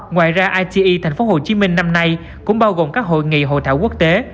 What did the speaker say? ngoài ra ite thành phố hồ chí minh năm nay cũng bao gồm các hội nghị hội thảo quốc tế